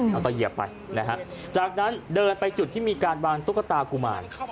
เอาเท้าเหยียบไปจากนั้นเดินไปจุดที่มีการวางตุ๊กตากุมาร